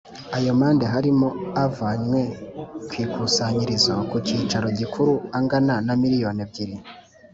Ayo mande harimo avanywe ku ikusanyirizo ku cyicaro gikuru angana na miliyoni ebyiri